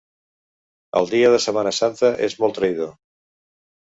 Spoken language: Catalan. El dia de Setmana Santa és molt traïdor.